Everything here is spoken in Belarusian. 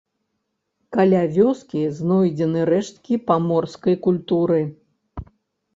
Каля вёскі знойдзены рэшткі паморскай культуры.